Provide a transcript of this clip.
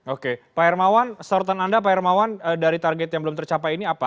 oke pak hermawan sorotan anda pak hermawan dari target yang belum tercapai ini apa